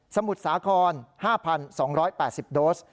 มุทรสาคร๕๒๘๐โดส